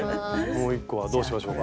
もう一個はどうしましょうか？